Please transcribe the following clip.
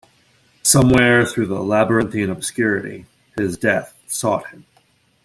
Somewhere through the labyrinthine obscurity his death sought him.